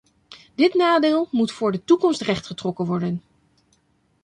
Dit nadeel moet voor de toekomst rechtgetrokken worden.